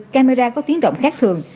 camera có tiếng động khác thường